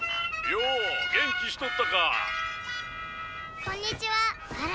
「よお元気しとったか」